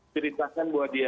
ceritakan bahwa dia